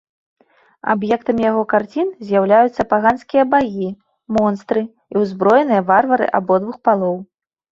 Аб'ектамі яго карцін з'яўляюцца паганскія багі, монстры і ўзброеныя варвары абодвух палоў.